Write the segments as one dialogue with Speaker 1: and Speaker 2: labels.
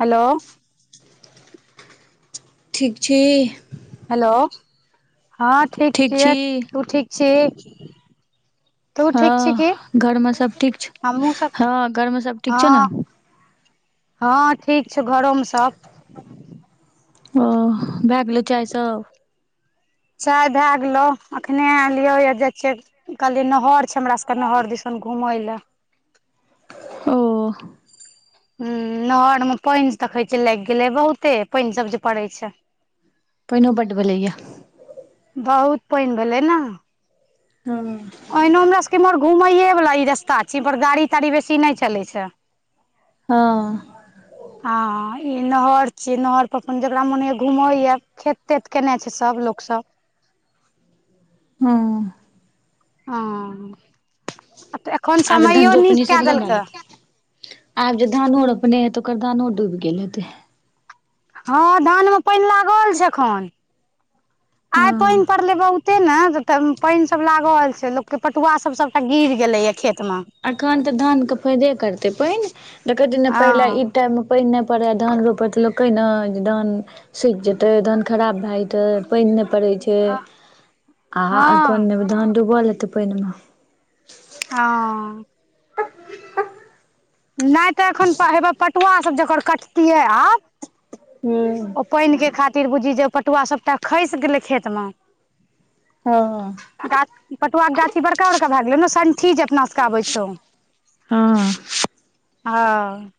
Speaker 1: Hello.
Speaker 2: ठीक छी।
Speaker 1: Hello हँ ठीक छियै। तू ठीक छी? तू ठीक छी की
Speaker 2: हँ घर मे सब ठीक छै
Speaker 1: हमहुँ सब
Speaker 2: हँ घर मे सब ठीक छो ने।
Speaker 1: हँ हँ ठीक छौ घरोमे सब।
Speaker 2: ओ भए गेलै चाय सब?
Speaker 1: चाय भए गेलो अखने एलियो या से कहलियै नहर छै हमरा सबके नहर दिसन घुमय ला।
Speaker 2: ओ।
Speaker 1: हुं नहर में पानि देखे छै लागि गेले बहुते पाइन सब जे पड़े छै।
Speaker 2: पइनो बड भेलैय या।
Speaker 1: बहुत पानि भेलै ने
Speaker 2: हँ।
Speaker 1: पहिनो हमरा सबबके इम्हर घुमयएवला ई रस्ता छै इमहर गाड़ी ताड़ी बेसी नहि चलै छै।
Speaker 2: हँ।
Speaker 1: हँ ई नहर छीयै नहर पर अपन जकरा मोन होए घूमैया खेत तेत केने छै सब लोक सब।
Speaker 2: हुं
Speaker 1: हह आ तऽ एखन
Speaker 2: आब धान
Speaker 1: समयो नीक
Speaker 2: रोपनी सब
Speaker 1: कए
Speaker 2: एकदम भए
Speaker 1: देलकै।
Speaker 2: गेल आब जे धानो रोपने हैतो ओकर धानो डूबि गेल हेते।
Speaker 1: हँ धान मे पाइन लागल छै एखन आइ पानि
Speaker 2: हँ
Speaker 1: पड़ले बहुत एते ने पानि सब लागल छै लोकके पटुआ सब सबटा गिर गेलैए खेत
Speaker 2: एखन तऽ धानके फायदे करतै पानि देख कैत द ने पहिले ई
Speaker 1: हँ
Speaker 2: टाइम पानि नहि पड़ै धान रोपै तऽ लोक कहै ने धान सुख जेते धान खराब भए जेते पानि नहि पड़े छै
Speaker 1: हँ
Speaker 2: आखन नै धान डूबल हेते पाइन मे।
Speaker 1: हँ।
Speaker 2: [inaudible]
Speaker 1: नहि तऽ एखन हेबे पटुआ सब जकर कटतियै आब
Speaker 2: हू।
Speaker 1: ओ पानि के खातिर बुझी जे पटुआ सबटा खसि गेलै खेत म।
Speaker 2: हँ
Speaker 1: गा आ पटुआ के गाछी बड़का बड़का भए गेल ने संठी जे अपना आबै छौ।
Speaker 2: हँ।
Speaker 1: आहऽ।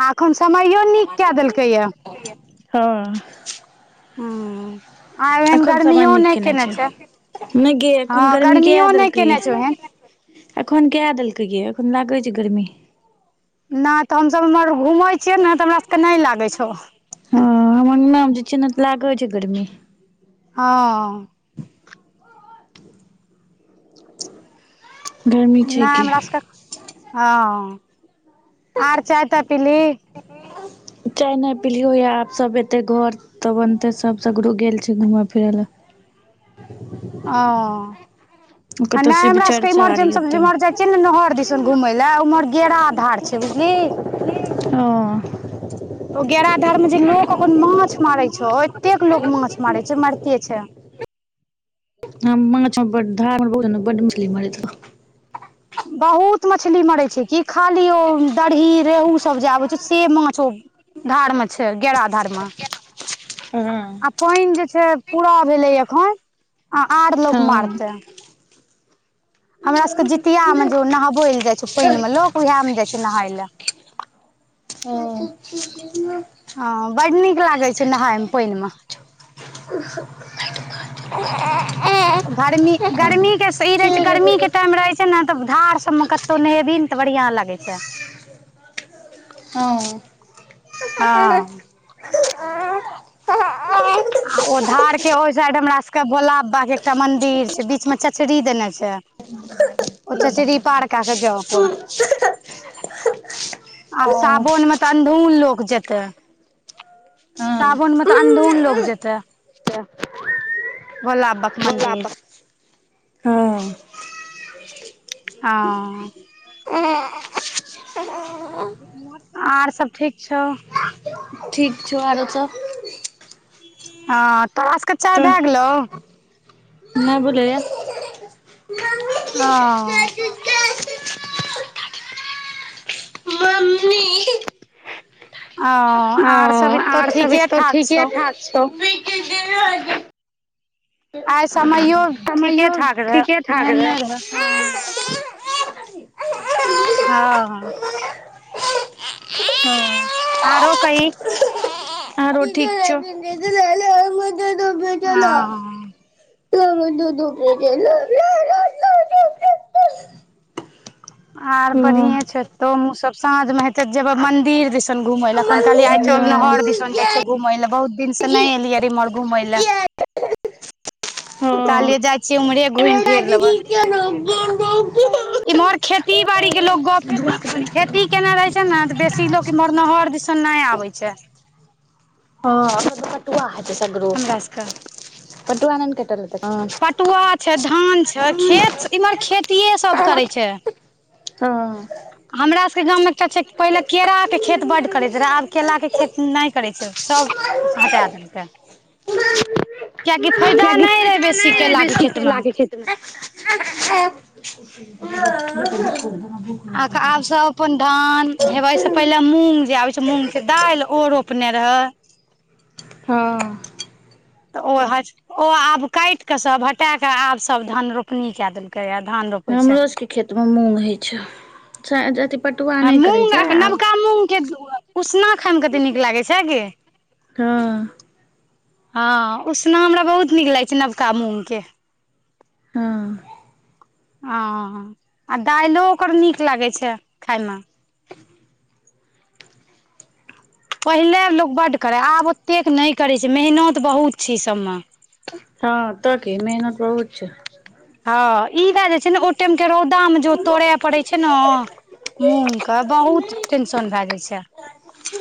Speaker 1: आ एखन समयो नीक कए देलकैए।
Speaker 2: [unintelligible] हँ।
Speaker 1: हूँ।
Speaker 2: एखन समाय निक केने छै। नैय गे
Speaker 1: हँ
Speaker 2: एखन गर्मी कै
Speaker 1: गर्मियो नहि
Speaker 2: देलकैए
Speaker 1: केने छै ओहन
Speaker 2: [unintelligible] एखन कए देलकै यए एखन लागै छै गर्मी।
Speaker 1: नै तऽ हमसब इम्हर घूमै छियै नऽ तऽ हमरा सबके नै लागै छौ।
Speaker 2: हँ हम अंगना में जे छियै तऽ लागै छैय गर्मी।
Speaker 1: हँ।
Speaker 2: गर्मी छै
Speaker 1: नैय
Speaker 2: की
Speaker 1: हमरासकाँ हँ आर चाय-ताय पीली? [inaudible]
Speaker 2: चाय नै पिलियौ या आब सब एतै घर। तब अन्ते सब सगरो गेल छै घूमऽ फिरऽ लऽ।
Speaker 1: हं,
Speaker 2: कतौ
Speaker 1: नहि
Speaker 2: शिव
Speaker 1: हमरा सबके
Speaker 2: चर्चा आर
Speaker 1: इमरजेंसी मे
Speaker 2: हेतै
Speaker 1: इमहर जे चल न नहर दिसन घुमय लए उम्हर गेरा धार छै बुझली।
Speaker 2: हं।
Speaker 1: ओ गेरा धर्म में जे लोको माछ मारेै छै एतेक लोग माछ
Speaker 2: हँ
Speaker 1: मारेै छै मैरते छै।
Speaker 2: हम माछ हां बड धार मे [unintelligible] बड मछली मरै छला।
Speaker 1: बहुत मछली मरै छैय कि खाली ओ दरही रेहू सब जे आबै छैय से माछ ओ- धार मे छै गेराधार में।
Speaker 2: हँ।
Speaker 1: आ पेएन जे छै पूरा भेलै अखन आ आर लोक
Speaker 2: हँ।
Speaker 1: मारतै। हमरा स के जितिया मे जे उ नहबै ले जाय छै पेएन मे
Speaker 2: हँ।
Speaker 1: लोक उहाए मे जाय छै नहाय ले।
Speaker 2: हँ
Speaker 1: हं बड नीक लागै छै नहायमे पइन मे।
Speaker 2: [unintelligible]
Speaker 1: गरमी, गर्मी के सी ई रहै छै गर्मी के टाइम रहै छै ने तऽ धार सब मे क तो नहेबहीन तऽ बढ़िया लागै छै। हँ
Speaker 2: हां।
Speaker 1: आ ओ धार के ओय साइड हमरा सब के भोला बा के एकटा मंदिर छै बीच में चचरी देने छै।
Speaker 2: [unintelligible]
Speaker 1: ओतऽ सिड़ही पाड़ का के जौ अपन। आब
Speaker 2: ओ
Speaker 1: साबोन में तऽ अन्धून लोक जेतै। सावन मे तऽ अंधुन लोग जेतै। भोलाबा के मंन्दिर।
Speaker 2: हां।
Speaker 1: अँ
Speaker 2: एँ।
Speaker 1: आर सब ठीक छौ।
Speaker 2: ठीक छौ आरो सब-
Speaker 1: हँ तोरा सबके चाय भए गेलौ?
Speaker 2: नै भेलैया।
Speaker 1: हँ।
Speaker 2: मम्मी
Speaker 1: ओ
Speaker 2: ओ
Speaker 1: आर सब एतौ
Speaker 2: आर सब
Speaker 1: ठीके
Speaker 2: ऐतौ
Speaker 1: ठाक
Speaker 2: ठीके
Speaker 1: छौ
Speaker 2: ठाक छौ।
Speaker 1: आइ समइयो ठीके
Speaker 2: समयो
Speaker 1: ठाक रहै
Speaker 2: ठीके ठाक
Speaker 1: ओहेन
Speaker 2: रहे
Speaker 1: नैय रहै। हँ, हँ
Speaker 2: हँ
Speaker 1: आरो कही।
Speaker 2: आरो ठीक
Speaker 1: हँ
Speaker 2: छौ। [inaudible]
Speaker 1: आर बढ़ियए छै तोहूं सब साँझ में हेते जेबय मंदिर दिस सन घुमय लए एखन कहलियै आइ चल नहर दिसन जाय छियै घूमय ले बहुत दिन से नै एलियै इमहर घूमय लए।
Speaker 2: हँ
Speaker 1: कहलियै
Speaker 2: हँ।
Speaker 1: जाय छीयै उम्हरे घुइम
Speaker 2: [unintelligible]
Speaker 1: इमहर खेती बाड़ी के लोग गप खेती केने रहे छै ने त बेसी लोक इहमर नहर दिसन नहि आबे छै।
Speaker 2: हँ अखैन त पटुआ हेते सगरो
Speaker 1: हमरा सबके
Speaker 2: पटुआ नैने कटलके हन
Speaker 1: पटुआ छै धान छै खेत इम्हर खेतिये सभ करै छै।
Speaker 2: हँ।
Speaker 1: हमरा सभके गाँममें एकटा छै पहिले केराके खेत बड्ड करै छलै आब केलाके खेत नै करै छै सभ हटा देलकै कियाकि फयदा नै रहे बेसी केलाके
Speaker 2: की
Speaker 1: खेतमे
Speaker 2: केला के खेतमे।
Speaker 1: आ आब सब अपन धान हेवे से पहि ले मूंग जे आबे छै मूंग के दाइल ओ रोपने रहे।
Speaker 2: हँ।
Speaker 1: तऽ ओ हज ओ आब काईट कऽ सब हटा के आब सब धान रोप नी कए देलकै आ धान रोपै छै।
Speaker 2: हमरो सबके खेतमे मूँग होइ छै चाहे जतेक
Speaker 1: आ मूँग नबका मूँगके उसना खायइमे कते नीक लागै छै हे गय।
Speaker 2: हँ।
Speaker 1: हँ उसना हमरा बहुत नीक लागै छै नबका मूँग के।
Speaker 2: हँ।
Speaker 1: अं दाइलो ओकर नीक लागै छै खायमे। पहिले लोक बड्ड करै आब ओतेक नै करैत छै मेहनत बहुत छै ई सभमे।
Speaker 2: हँ तऽ की मेहनत बहुत छै।
Speaker 1: हँ ई भए जे छै ने ओ टेमके रौदामे जे
Speaker 2: हँ
Speaker 1: तोड़य पड़ै छै नऽ। मूँग कऽ बहुत टेंशन भैए जाइ छै।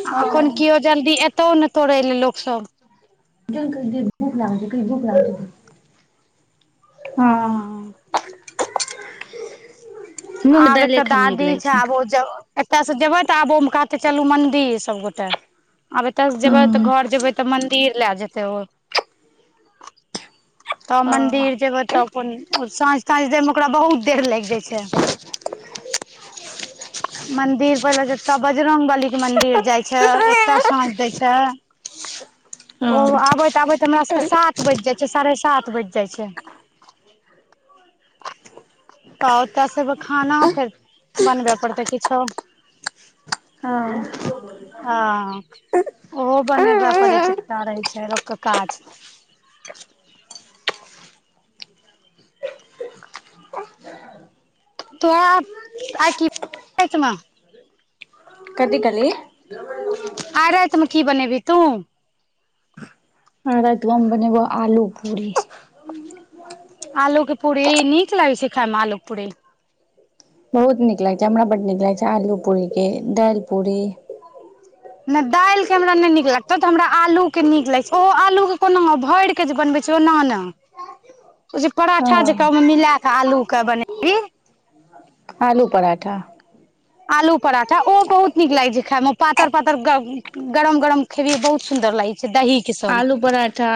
Speaker 1: आ अखन केओ जल्दी एतहु ने तोड़ेले लोकसभ।
Speaker 2: जलखै दियो भुख लागल छै कही भुख लागल छै हँ। मूँग
Speaker 1: आब
Speaker 2: दालि
Speaker 1: एतऽ
Speaker 2: खायमे नीक
Speaker 1: दादी
Speaker 2: लागै
Speaker 1: छै आब ओ जगह एतय से जेबै तऽ आबोम कहतय चलू मंन्दिर सबगोटे। आब एतयस जेबै
Speaker 2: हँ
Speaker 1: तऽ घर जेबै तऽ मन्दिर लए जेतै ओ। तब मंदिर जेबै तब अपन साँझ- ताँझ देय में ओकरा बहुत देर लागि जाइ छै। मंदिर पहिले जते बजरंग बली के मंदिर जाय छै ओतय साँझ देय छै। ओ आबैत आबैत हमरा सबके सात बैज जाइछै साढ़े सात बैज जाइछै। तऽ ओतय से एबै खाना फेर बनबे पड़तै किछो।
Speaker 2: हँ।
Speaker 1: ह ओहो बनेबऽ परै छै तऽ रहै छै लोकके काज। तो आ कीच। [unintelligible]
Speaker 2: कथी कहलीए। देबऽ कोना क।
Speaker 1: आइ रातिमे की बनेबही तू।
Speaker 2: आइ रैतमें बनेबो आलू पूरी।
Speaker 1: आलू के पूरी नीक लागै छै खाय मे आलू पूरी।
Speaker 2: बहुत नीक लागैत छै हमरा बड्ड नीक लागैत छै आलू पूरीके दैल पूरी।
Speaker 1: नहि दालि के हमरा नहि नीक लगतो तऽ हमरा आलू के नीक लागै छै ओहो आलू के कोनामे भैर। जे बनबै ओना ने। ओ जे
Speaker 2: हँ
Speaker 1: पराठा जकाँ ओयमे मिलाकऽ आलूके बनेबीह।
Speaker 2: आलू पराठा।
Speaker 1: आलू पराठा ओ बहुत नीक लागै छै खायमे पातर- पातर ग गरम -गरम। खेलियै बहुत सुन्दर लागै छै दही। के संग
Speaker 2: आलू पराठ। ठा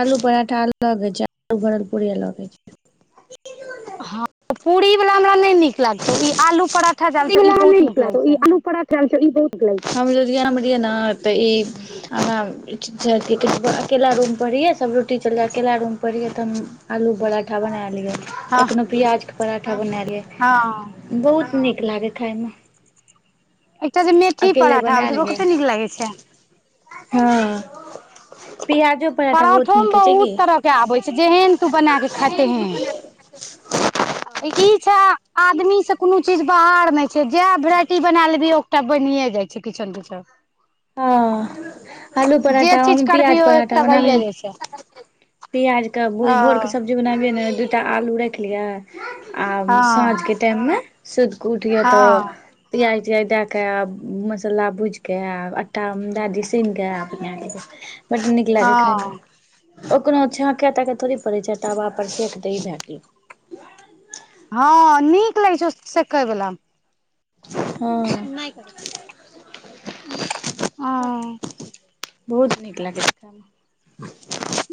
Speaker 2: आलू पराठा अलग होइ छै आलू भरल पूरी अलग होइ छै।
Speaker 1: हँ पूरी वाला हमरा नै नीक लागतौ ई आलू पराठा
Speaker 2: पूरी
Speaker 1: जानै छौ
Speaker 2: वला
Speaker 1: ई
Speaker 2: हमरा नै
Speaker 1: बहुत नीक लगै
Speaker 2: लागतौ ई
Speaker 1: छै।
Speaker 2: आलू पराठा ई बहुत गरम हम लुधियाना मे रहियै न तऽ ई। हमरा अथी कहै छै अकेला रूम पर रहियै सब रोटी चलि जा अकेला रूमपर रहियै तऽ हम। आलू पराठा बना लियै
Speaker 1: हँ
Speaker 2: कखनो प्याजके पराठा बना लियै।
Speaker 1: हँ।
Speaker 2: बहुत नीक लागै खायमे।
Speaker 1: एकटा जे मेथी पराठा होय
Speaker 2: बना
Speaker 1: छै ओ
Speaker 2: लियै
Speaker 1: कते नीक लागै छै।
Speaker 2: हँ पिआजो।
Speaker 1: पराठो मे बहुत तरह। के आबै छै जेहन तू बना के खा तेहेन ई छह। आदमी से कोनो चीज बाहर नै। जेह भेराइटी बना लेबिही ओटा बनिए जाइ छै किछो न किछो।
Speaker 2: हँ आलू
Speaker 1: जे
Speaker 2: पराठा
Speaker 1: चीज करबिही
Speaker 2: प्याज
Speaker 1: ओ
Speaker 2: पराठा।
Speaker 1: एकटा
Speaker 2: बनाबही
Speaker 1: भइए जाइ छै
Speaker 2: प्याज क भोर कऽ
Speaker 1: हँ
Speaker 2: सब। जे बनाबियै ने दूटा आलू राखि लियै आ साँझ
Speaker 1: हँ
Speaker 2: के टाइममे। सुत कऽ उठिय तो
Speaker 1: हँ
Speaker 2: पियाज तियाज दए के मसाला भूज के आ। तऽ दादी सुन के अपने बड नीक लागे खाय मे।
Speaker 1: हँ
Speaker 2: ओकरो छाँक ताके थोड़े पड़ै छै तबा पर फेक दही भए गेल।
Speaker 1: हँ नीक लागै छै सेकै बला में।
Speaker 2: हँ।
Speaker 1: नै करत ‌ हँ।
Speaker 2: बहुत नीक लागै खैमे।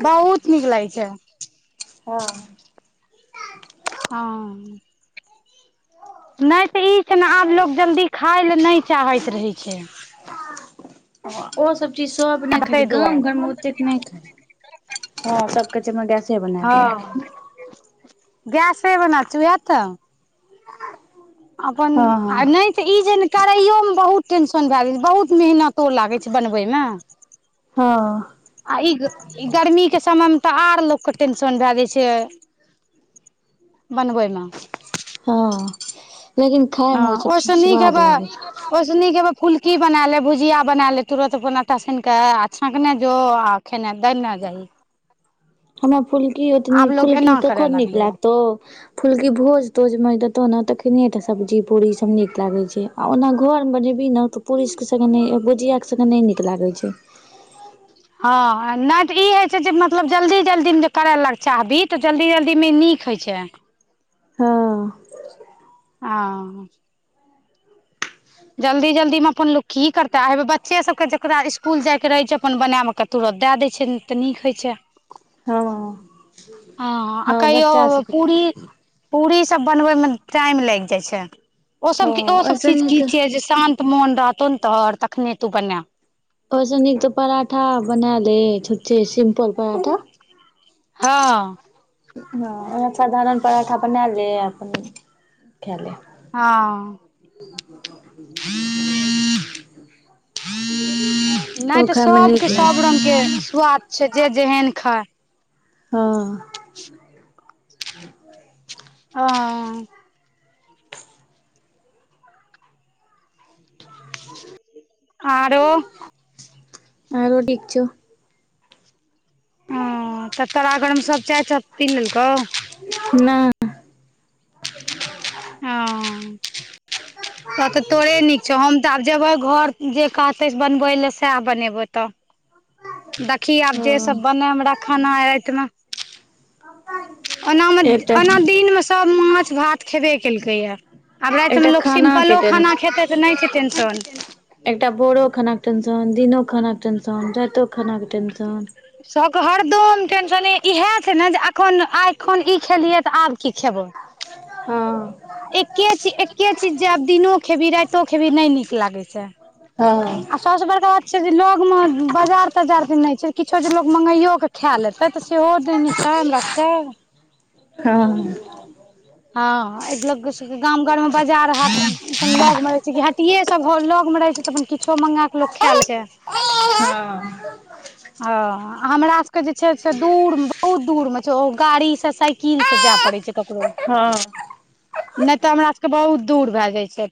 Speaker 1: बहुत नीक लागै छै।
Speaker 2: हँ।
Speaker 1: हँ। नै तऽ ई छै ने आब लोक जल्दी खाय लऽ नै चाहैत रहै छै।
Speaker 2: ओसब चीज सब नै खाय छै
Speaker 1: ताहि
Speaker 2: गाम
Speaker 1: दुआरे
Speaker 2: घरमे ओतेक नै खाय छै। हँ सब कहै छै हमरा गैसे बना
Speaker 1: हँ
Speaker 2: दैया।
Speaker 1: गैसे बना उवह तऽ।
Speaker 2: आ
Speaker 1: अपन आ नै- तऽ ई जे करैयो मे बहुत टेंशन भए गेल छै बहुत मेहनतो लागै छै बनबय मे-
Speaker 2: हँ।
Speaker 1: आ ई ई गर्मीके समयमे तऽ आर लोक के टेंशन भए जाइ छै। बनबैय मे-
Speaker 2: हँ लेकिन खायमे ओ सब चीज स्वाद लागै।
Speaker 1: ओइ सऽ नीक है फुलकी बना लेब भुजिया बना ले तुरन्त अपन आटा सैन के आ छाँकने जो- खेनाइ दैना जाही।
Speaker 2: हमरा फुलकी ओते नै
Speaker 1: आब लोग
Speaker 2: फुलकी
Speaker 1: एना करे
Speaker 2: कखन नीक
Speaker 1: लगले ह
Speaker 2: लागतौ। फुलकी भोज तोज मे देतो न तखने टा सब्जी पूड़ी सब नीक लागे छै। आ ओना घरमे बनेबही न तऽ पुरी के संगे नै भुझियाक संगे नै नीक लागै छै।
Speaker 1: हँ नै तऽ ई होइ छै जे मतलब जल्दी -जल्दी मे करय लग चाहबी तऽ जल्दी जल्दीमे नीक होइ छै।
Speaker 2: हँ।
Speaker 1: आँ जल्दी -जल्दी मे अपन लोक की करतै बच्चे सब के जेकरा स्कुल जाय के रहे छै अपन बना के- तुरंत दए दै छैय तऽ नीक होय छैय।
Speaker 2: हँ
Speaker 1: आ
Speaker 2: हँ
Speaker 1: कहियो
Speaker 2: बच्चा सब-
Speaker 1: पूरी पूरी सब बनबैय में टाइम लैग जाय छैय ओ
Speaker 2: हँ
Speaker 1: सबके ओ सब
Speaker 2: ओहिसँ
Speaker 1: चीज- की
Speaker 2: नीक
Speaker 1: छियै जे शान्त मोन रहतौ ने तहर तखने तू बना-
Speaker 2: ओयसनीक तऽ पराठा बना ले छुछे सिम्पल पराठा-
Speaker 1: हँ।
Speaker 2: हँ उहे साधारण पराठा अपन बना ले अपन खेए ले-
Speaker 1: हँ। नैय
Speaker 2: ओ
Speaker 1: तऽ
Speaker 2: खाय मे नीक
Speaker 1: सबके सब
Speaker 2: लागै
Speaker 1: रंग के स्वाद छै जे जेहन खााय।
Speaker 2: हँ।
Speaker 1: हँ। आरो?
Speaker 2: आरो ठीक छौ।
Speaker 1: हँ तऽ तरा घर मे सब चाय सब पी लेलकौ?
Speaker 2: नैय
Speaker 1: अँ तऽ तऽ तोरे नीक छौ हम तऽ आब जेबै घर जे कहतै बनबै लए सएह बनेबौ तऽ। देखि आब जे
Speaker 2: हँ
Speaker 1: सब बने हमरा खाना रैत मे। ओना मे
Speaker 2: एकटा
Speaker 1: ओना दिन मे सब माछ भात खेबे केलकैया। आब रैत
Speaker 2: एकटा
Speaker 1: मे लोक
Speaker 2: खाना के
Speaker 1: सिम्पलो खाना
Speaker 2: टेंशन
Speaker 1: खेतै तऽ नैय छै टेंन्शन।
Speaker 2: एकटा बोड़ो खाना टेंशन दिनो खाना टेंशन रैतो खाना टेंशन।
Speaker 1: सबके हरदम टेंशन इएह छै ने जे एखन आइखन ई खेलियै तऽ आब की खेबै।
Speaker 2: हँ।
Speaker 1: एके चीज एके चीज जे आब दिनो खेबही राइतो खेबी नै नीक लागे छैय।
Speaker 2: हँ।
Speaker 1: सबे बड़का बात छै जे लोग में बाजार तजार नै छै किछो जे लोग मंगगइयो क। खाले तै तऽ सेहो दैने छैय हमरा सब के।
Speaker 2: हँ।
Speaker 1: हँ एक लोक सबके गाम घर मे बाजार हाट। अपन लग मे रहे छै कि हटिये सब लग मे रहेै छै तऽ अपन किछो मंगा के लोक खैल छै।
Speaker 2: हँ
Speaker 1: हँ हमरा सबके जे छै से दूर बहुत दूर मे छैय ओ गाड़ी से साइक। कील से जाय पड़ै छैय ककरो।
Speaker 2: हँ।
Speaker 1: नै तऽ हमरा सबके बहुत दूर भए जाय छै।